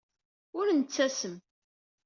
Ur nettasem.